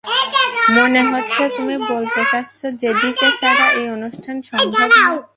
মনে হচ্ছে তুমি বলতে চাচ্ছ জেডিকে ছাড়া এই অনুষ্ঠান সম্ভব না?